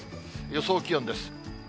予想気温です。